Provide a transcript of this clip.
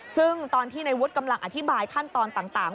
ซึ่งตอนที่ในวุฒิกำลังอธิบายขั้นตอนต่าง